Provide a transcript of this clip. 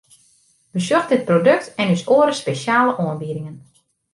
Besjoch dit produkt en ús oare spesjale oanbiedingen!